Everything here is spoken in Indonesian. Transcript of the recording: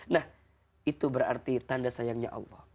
nah itu berarti tanda sayangnya allah